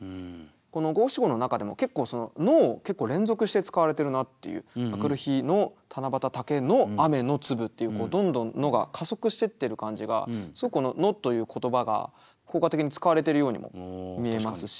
この五七五の中でも結構「翌る日の七夕竹の雨の粒」っていうどんどん「の」が加速してってる感じがすごくこの「の」という言葉が効果的に使われてるようにも見えますし。